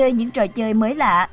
với những trò chơi mới lạ